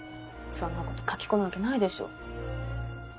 そんな事書き込むわけないでしょ。